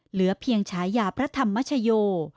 เหลือเพียงฉายาพระธรรมชโย